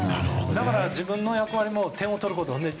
だから自分の役割も点を取ること。